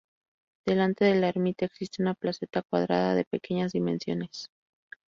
Delante de la ermita existe una placeta cuadrada de pequeñas dimensiones.